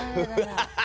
ハハハハ！